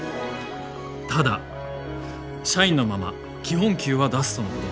ただ社員のまま基本給は出すとのことです。